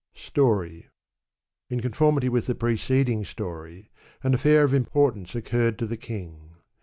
Story. In conformity with the preceding story, an afEur of importance occurred to the king.